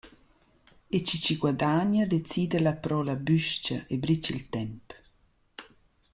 E chi chi guadagna decida lapro la büs-cha e brich il temp.